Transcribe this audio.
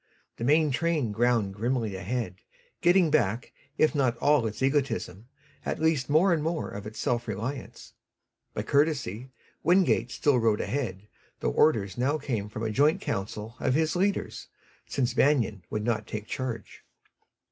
The main train ground grimly ahead, getting back, if not all its egotism, at least more and more of its self reliance. By courtesy, Wingate still rode ahead, though orders came now from a joint council of his leaders, since Banion would not take charge.